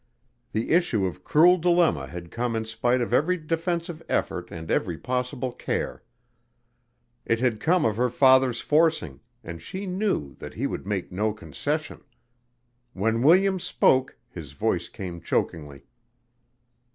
The issue of cruel dilemma had come in spite of every defensive effort and every possible care. It had come of her father's forcing and she knew that he would make no concession. When Williams spoke his voice came chokingly.